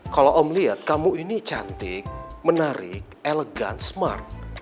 kalau om lihat kamu ini cantik menarik elegan smart